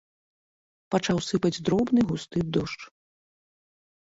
Пачаў сыпаць дробны густы дождж.